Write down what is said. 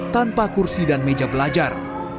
tanpa kursi dan meja belajar